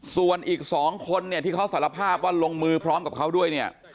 ส่วนอีก๒คนที่เขาสารภาพว่าลงมือพร้อมกับเขาด้วย